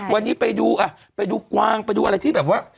วันนี้ไปดูกวางไปดูอะไรที่แบบว่า